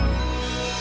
iya pak ustadz